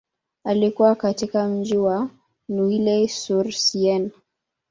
Alikua katika mji wa Neuilly-sur-Seine.